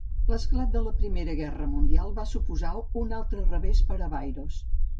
L'esclat de la Primera Guerra Mundial va suposar un altre revés per a Bayros.